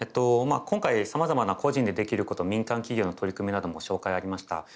まあ今回さまざまな個人でできること民間企業の取り組みなども紹介ありました。